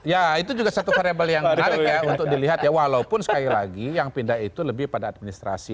ya itu juga satu variable yang menarik ya untuk dilihat ya walaupun sekali lagi yang pindah itu lebih pada administrasi